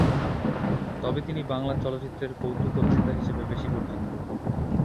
তবে তিনি বাংলা চলচ্চিত্রের কৌতুক-অভিনেতা হিসাবে বেশি পরিচিত।